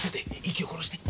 息を殺して。